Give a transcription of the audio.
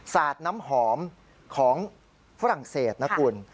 สาดน้ำหอมของฝรั่งเศสนะคุณ